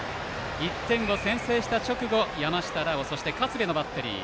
１点を先制した直後、山下羅馬そして勝部のバッテリー。